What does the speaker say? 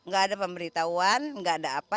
gak ada pemberitahuan nggak ada apa